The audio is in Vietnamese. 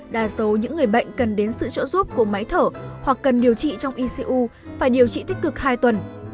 đa số những người bệnh cần đến sự trợ giúp của máy thở hoặc cần điều trị trong icu phải điều trị tích cực hai tuần